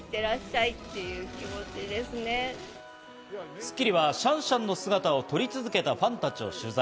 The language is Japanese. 『スッキリ』はシャンシャンの姿を撮り続けたファンたちを取材。